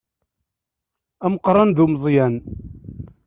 Ameqqan d umeẓẓyan.